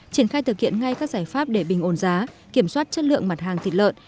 triển khai thực hiện ngay các giải pháp để bình ổn giá kiểm soát chất lượng mặt hàng thịt lợn